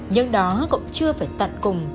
nhưng đó cũng chưa phải tận cùng